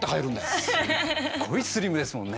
すっごいスリムですもんね。